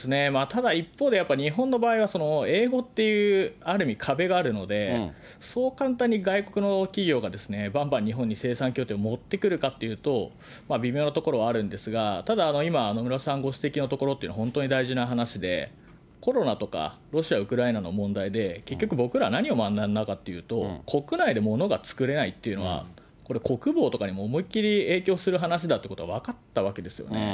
ただ、一方で、やっぱ日本の場合は英語っていう、ある意味、壁があるので、そう簡単に外国の企業が、ばんばん日本に生産拠点を持ってくるかっていうと、微妙なところはあるんですが、ただ、今、野村さんご指摘のところっていうのは本当に大事な話で、コロナとかロシア、ウクライナの問題で結局、僕ら何を学んだかっていうと、国内で物が作れないっていうのは、これ、国防とかにも思いっ切り影響する話だってこと分かったわけですよね。